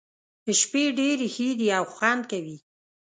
شپې ډېرې ښې دي او خوند کوي.